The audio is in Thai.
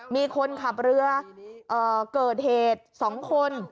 มีคนขับเรือเกิดเหตุ๒คน